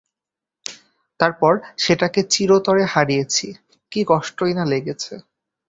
তারপর, সেটাকে চিরতরে হারিয়েছি, কী কষ্টই না লেগেছে।